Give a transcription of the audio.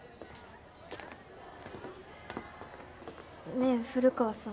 ねえ古川さん。